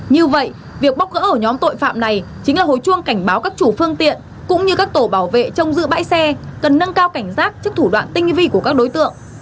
như vậy việc bóc gỡ ổ nhóm tội phạm này chính là hồi chuông cảnh báo các chủ phương tiện cũng như các tổ bảo vệ trong giữ bãi xe cần nâng cao cảnh giác trước thủ đoạn tinh vi của các đối tượng